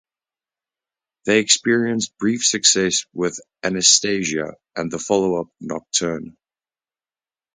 They experienced brief success with "Anasthasia" and the follow-up, "Nocturne".